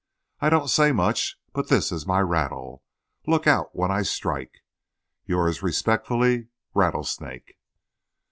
I don't say much, but this is my rattle. Look out when I strike. Yours respectfully, RATTLESNAKE.